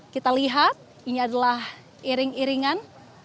kita lihat ini adalah iring iringan